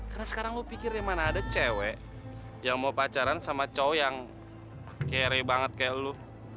karena sekarang lo pikir ya mana ada cewek yang mau pacaran sama cowok yang kere banget kayak lo